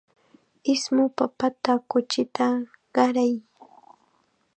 Ismu papata kuchita qaray.